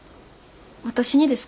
私にですか？